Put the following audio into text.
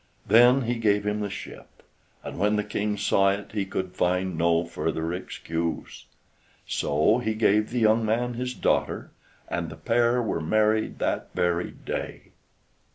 Then he gave him the ship, and when the King saw it he could find no further excuse. So he gave the young man his daughter, and the pair were married that very day.